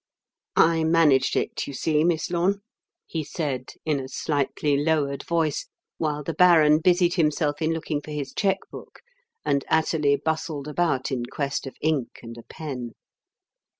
"I managed it, you see, Miss Lorne," he said, in a slightly lowered voice, while the baron busied himself in looking for his cheque book and Athalie bustled about in quest of ink and a pen.